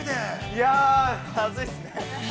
◆いや、はずいっすね。